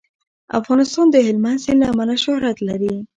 افغانستان د هلمند سیند له امله شهرت لري.